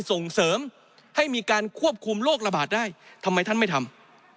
ส่งเสริมให้มีการควบคุมโรคระบาดได้ทำไมท่านไม่ทำ